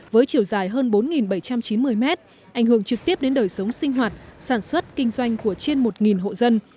với chiều dài hơn bốn bảy trăm chín mươi mét ảnh hưởng trực tiếp đến đời sống sinh hoạt sản xuất kinh doanh của trên một hộ dân